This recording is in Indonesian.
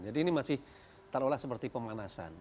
jadi ini masih taruhlah seperti pemanasan